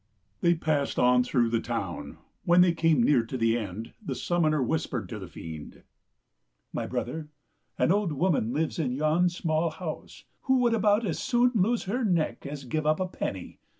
They passed on through the town. When they came near to the end, the summoner whispered to the fiend, " My brother, an old woman lives in yon small house who would about as soon lose her neck as give up a penny.